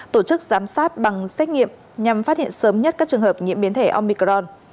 tổ chức giám sát bằng xét nghiệm nhằm phát hiện sớm nhất các trường hợp nhiễm biến thể omicron